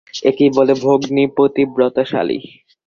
একেই বলে ভগ্নীপতিব্রতা শ্যালী।